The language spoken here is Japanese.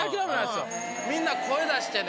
みんな声出してね。